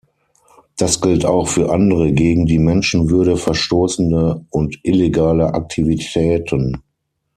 Das gilt auch für andere gegen die Menschenwürde verstoßende und illegale Aktivitäten.